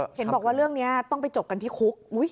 เห็นบอกว่าเรื่องนี้ต้องไปจบกันที่คุก